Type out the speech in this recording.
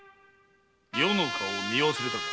余の顔を見忘れたか？